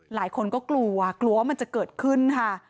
หลายคนก็กลัวมันจะเกิดขึ้นค่ะ